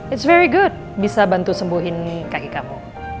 it's very good bisa bantu sembuhin kakek kamu